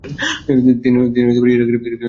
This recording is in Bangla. তিনি ইরাকের মসুল শহর জন্ম নেন।